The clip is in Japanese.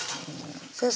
先生